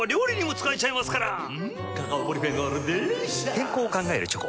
健康を考えるチョコ。